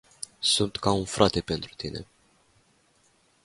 Sunt ca un frate pentru tine.